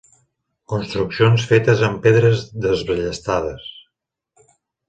Construccions fetes amb pedres desballestades.